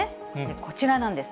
こちらなんです。